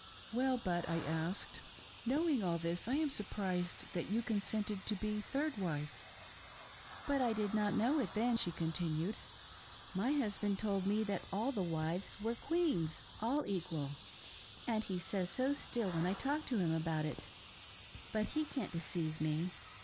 " Well Ijut," I asked, " knowing all this, I am surprised that you consented to be third wife !"" But I did not know it then," she continued. " My hus band told me that all the wives were queens — all equal — and he says so still when I talk to him about it. But he can't deceive me.